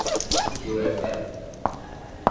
dilatar